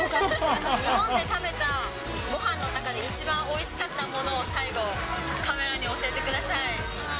日本で食べたごはんの中で、一番おいしかったものを最後、カメラに教えてください。